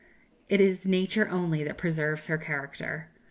It is Nature only that preserves her character.